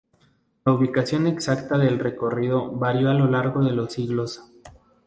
La ubicación exacta del recorrido varió a lo largo de los siglos.